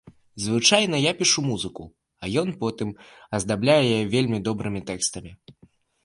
Звычайна, я пішу музыку, а ён потым аздабляе яе вельмі добрымі тэкстамі.